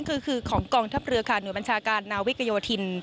คือของกองทัพเรือค่ะหน่วยบัญชาการนาวิกโยธิน